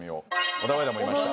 オダウエダもいました。